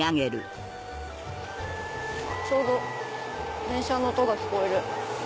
ちょうど電車の音が聞こえる。